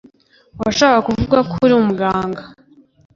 Washakaga kuvuga ko uri umuganga.